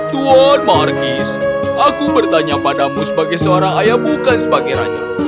tuan markis aku bertanya padamu sebagai seorang ayah bukan sebagai raja